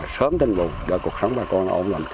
sớm tiền bù đợi cuộc sống bà con ổn lòng